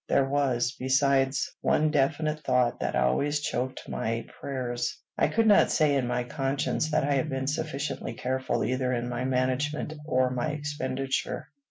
There was, besides, one definite thought that always choked my prayers: I could not say in my conscience that I had been sufficiently careful either in my management or my expenditure.